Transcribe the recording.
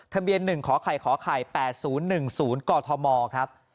ทะเบียน๑ขอไข่ขไข่๘๐๑๐กธมครับ